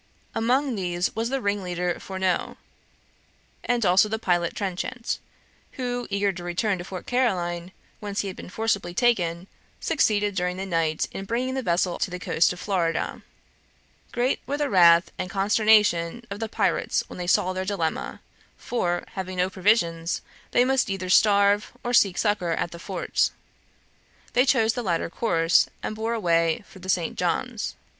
Among these was the ringleader Fourneaux, and also the pilot Trenchant, who, eager to return to Fort Caroline, whence he had been forcibly taken, succeeded during the night in bringing the vessel to the coast of Florida. Great were the wrath and consternation of the pirates when they saw their dilemma; for, having no provisions, they must either starve or seek succor at the fort. They chose the latter course, and bore away for the St. John's.